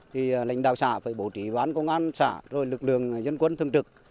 thì lãnh đạo xã phải bổ trí bán công an xã rồi lực lượng dân quân thường trực